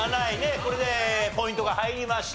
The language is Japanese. これでポイントが入りました。